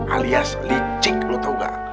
alias licik lu tau gak